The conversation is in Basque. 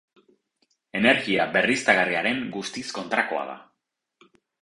Energia berriztagarriaren guztiz kontrakoa da.